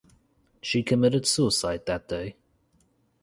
She committed suicide that day.